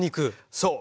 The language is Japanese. そう。